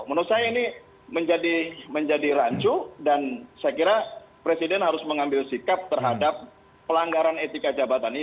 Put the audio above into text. menurut saya ini menjadi rancu dan saya kira presiden harus mengambil sikap terhadap pelanggaran etika jabatan ini